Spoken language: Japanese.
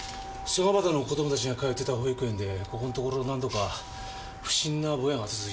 曽ヶ端の子供たちが通ってた保育園でここんところ何度か不審なボヤが続いて。